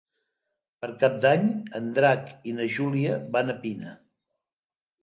Per Cap d'Any en Drac i na Júlia van a Pina.